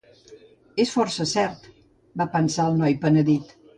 És força cert, va pensar el noi penedit.